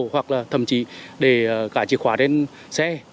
hoặc là thậm chí để cãi chìa khóa trên xe